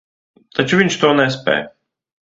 Taču viņš to nespēj.